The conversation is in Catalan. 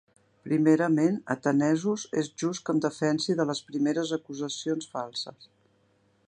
Primerament, atenesos, és just que em defensi de les primeres acusacions falses.